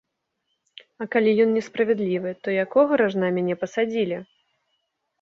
А калі ён несправядлівы, то якога ражна мяне пасадзілі?